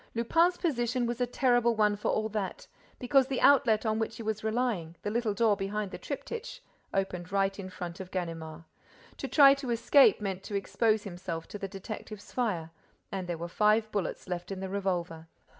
Lupin's position was a terrible one for all that, because the outlet on which he was relying, the little door behind the triptych, opened right in front of Ganimard. To try to escape meant to expose himself to the detective's fire; and there were five bullets left in the revolver.